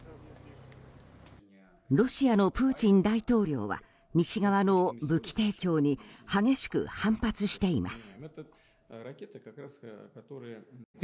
ロシアのプーチン大統領は西側の武器提供に激しく反発しています。